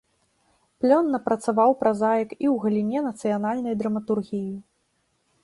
Плённа працаваў празаік і ў галіне нацыянальнай драматургіі.